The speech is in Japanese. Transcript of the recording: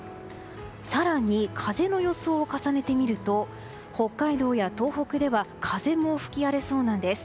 更に、風の予想を重ねてみると北海道や東北では風も吹き荒れそうです。